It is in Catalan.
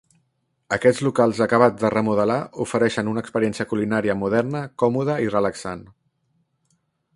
Aquests locals acabats de remodelar ofereixen una experiència culinària moderna, còmoda i relaxant.